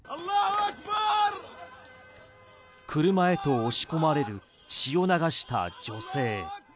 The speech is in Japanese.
車へと押し込まれる血を流した女性。